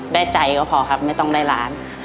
ได้ใจก็พอครับไม่ต้องได้ล้าน